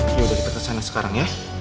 ya udah kita tersana sekarang ya